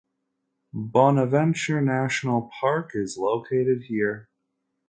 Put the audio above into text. Bonaventure National Park is located here.